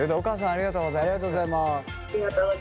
ありがとうございます。